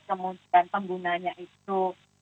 kemudian penggunanya itu